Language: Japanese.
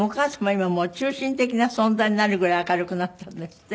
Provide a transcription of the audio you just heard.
今もう中心的な存在になるぐらい明るくなったんですって？